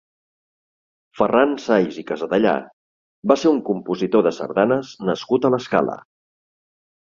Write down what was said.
Ferran Says i Casadellà va ser un compositor de sardanes nascut a l'Escala.